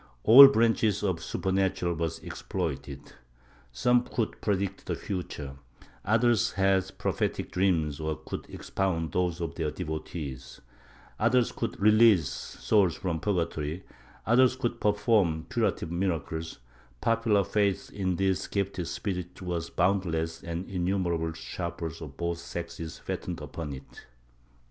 ^ All branches of the supernatural were exploited : some could pre dict the futm e; others had prophetic dreams or could expound those of their devotees; others could release souls from purgatory; others could perform curative miracles; popular faith in these gifted spirits was bomidless and innmnerable sharpers of both sexes fattened upon it.